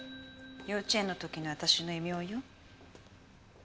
幼稚園のときの私の異名よ。